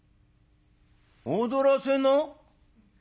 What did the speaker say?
「踊らせな。